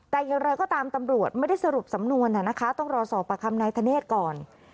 แต่อย่างไรก็ตามตำรวจไม่ได้สรุปสำนวนต้องรอสอบประคำนายธเนธก่อน